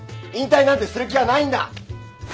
引退なんてする気はないんだ！